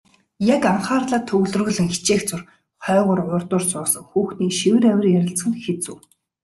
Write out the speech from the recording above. Яг анхаарлаа төвлөрүүлэн хичээх зуур хойгуур урдуур суусан хүүхдийн шивэр авир ярилцах нь хэцүү.